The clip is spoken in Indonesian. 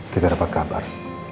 kita dapat kabar